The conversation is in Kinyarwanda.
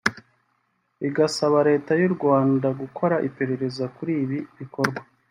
igasaba leta y’u Rwanda gukora iperereza kuri ibi bikorwa